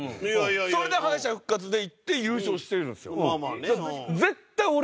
それで敗者復活でいって優勝してるんですよ。